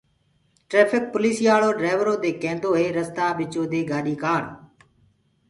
ٽريڦڪ پوليٚسيآݪو ڊليورو دي ڪينٚدوئيٚ رستآ ٻچو دي گآڏي ڪآڙ